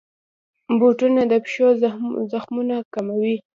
بوټونه د پښو زخمونه کموي.